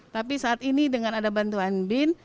tapi saat ini dengan ada bantuan bin